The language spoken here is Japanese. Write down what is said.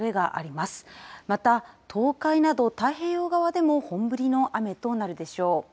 また、東海など太平洋側でも、本降りの雨となるでしょう。